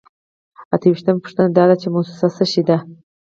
اته ویشتمه پوښتنه دا ده چې موسسه څه شی ده.